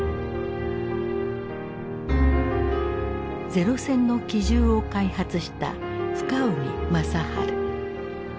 零戦の機銃を開発した深海正治。